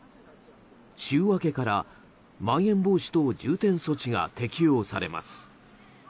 週明けからまん延防止等重点措置が適用されます。